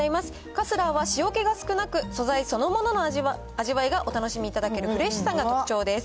カスラーは塩気が少なく、素材そのものの味わいがお楽しみいただけるフレッシュさが特徴です。